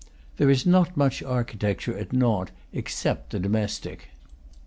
There is not much architecture at Nantes except the domestic.